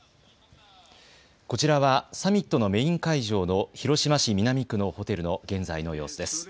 こちらはサミットのメイン会場の広島市南区のホテルの現在の様子です。